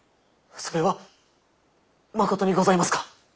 それはまことにございますか？